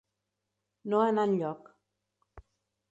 No anar enlloc.